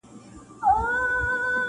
• پر شنو ونو له پرواز څخه محروم سو -